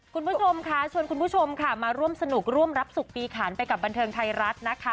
คุณผู้ชมค่ะชวนคุณผู้ชมค่ะมาร่วมสนุกร่วมรับสุขปีขานไปกับบันเทิงไทยรัฐนะคะ